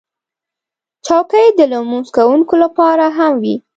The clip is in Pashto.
چوکۍ د لمونځ کوونکو لپاره هم وي.